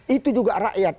itu juga rakyat